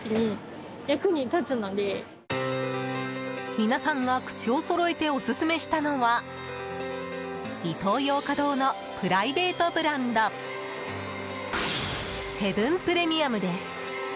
皆さんが口をそろえてオススメしたのはイトーヨーカドーのプライベートブランドセブンプレミアムです。